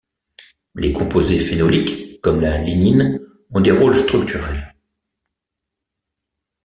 Les composés phénoliques comme la lignine ont des rôles structurels.